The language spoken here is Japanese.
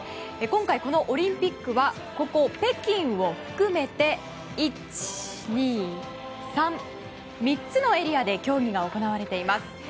今回、このオリンピックはここ北京を含めて１、２、３、３つのエリアで競技が行われています。